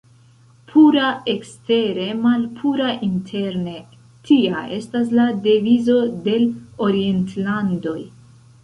Pura ekstere, malpura interne, tia estas la devizo de l' orientlandoj.